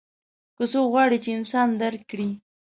که څوک غواړي چې انسان درک کړي.